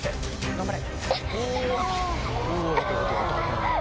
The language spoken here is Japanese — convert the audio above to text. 頑張れ！